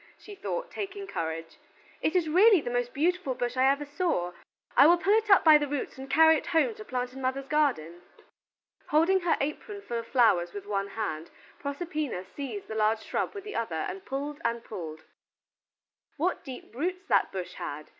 she thought, taking courage: "it is really the most beautiful bush I ever saw. I will pull it up by the roots and carry it home to plant in mother's garden." Holding her apron full of flowers with one hand, Proserpina seized the large shrub with the other and pulled and pulled. What deep roots that bush had!